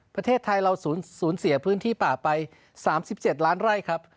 ประเทศไทยเราสูญเสียพื้นที่ป่าไป๓๗ล้านไร่ครับ